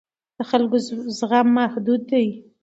د خلکو زغم محدود دی